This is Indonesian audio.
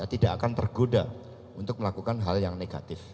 tidak akan tergoda untuk melakukan hal yang negatif